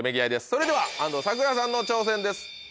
それでは安藤サクラさんの挑戦です。